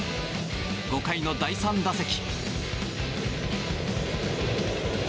５回の第３打席。